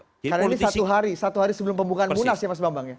karena ini satu hari satu hari sebelum pembukaan munas ya mas bambang